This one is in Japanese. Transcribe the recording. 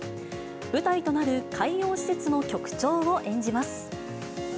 舞台となる海洋施設の局長を演じます。